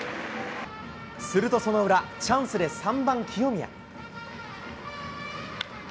するとその裏、チャンスで３番清宮。